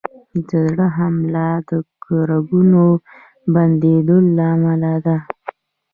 د زړه حمله د رګونو بندېدو له امله ده.